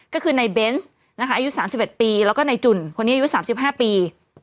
ก็คือในเบนส์นะคะอายุ๓๑ปีแล้วก็ในจุ่นคนนี้อายุ๓๕ปี